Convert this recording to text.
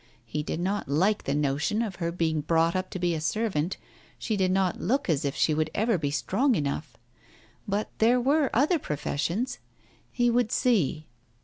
He did not like the notion of her being brought up to be a servant, she did not look as if she would ever be strong enough. But there were other professions. He would see